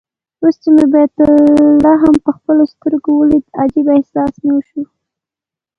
اوس چې مې بیت لحم په خپلو سترګو ولید عجيب احساس مې وشو.